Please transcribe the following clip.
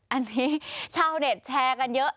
อันนี้ชาวเน็ตแชร์กันเยอะ